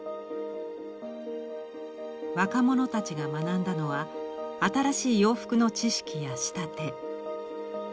若者たちが学んだのは新しい洋服の知識や仕立て。